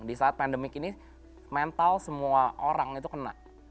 di saat pandemik ini mental semua orang itu kena